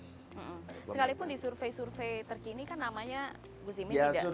sekalipun disurvey survey terkini kan namanya